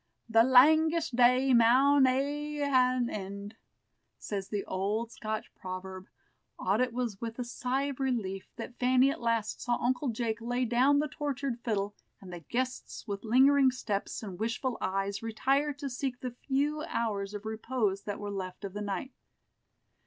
"The langest day maun hae an end," says the old Scotch proverb, audit was with a sigh of relief that Fanny at last saw Uncle Jake lay down the tortured fiddle, and the guests with lingering steps and wishful eyes retire to seek the few hours of repose that were left of the night.